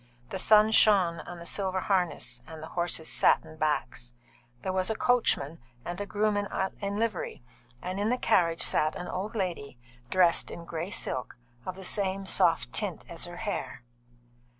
The sun shone on the silver harness and the horses' satin backs. There was a coachman and a groom in livery, and in the carriage sat an old lady dressed in grey silk, of the same soft tint as her hair.